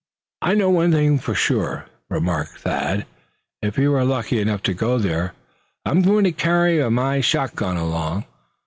"I know one thing sure," remarked Thad; "if we're lucky enough to go there, I'm going to carry my shotgun along.